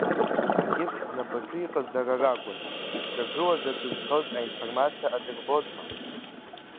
Акьыԥхь знапаҿы иҟаз дара ракәын, ирҿагылоз атәы зҳәоз аинформациа адырбозма.